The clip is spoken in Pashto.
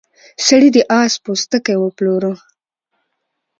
سړي د اس پوستکی وپلوره.